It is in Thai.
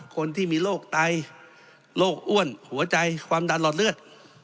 คนที่มีโรคไตโรคอ้วนหัวใจความดันหลอดเลือด